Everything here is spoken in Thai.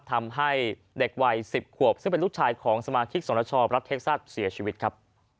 ทำให้เด็กวัย๑๐ขวบซึ่งเป็นลูกชายของสมาชิกสนชรัฐเท็กซัสเสียชีวิตครับ